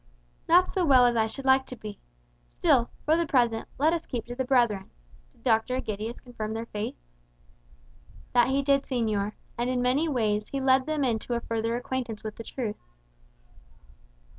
"Not so well as I should like to be. Still, for the present, let us keep to the brethren. Did Dr. Egidius confirm their faith?" "That he did, señor; and in many ways he led them into a further acquaintance with the truth."